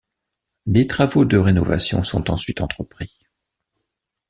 Des travaux de rénovation sont ensuite entrepris.